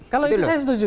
kalau itu saya setuju